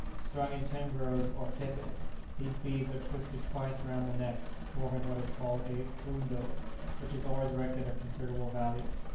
Strung in ten rows, or khetés, these beads are twisted twice round the neck, forming what is called a foondo, which is always reckoned of considerable value.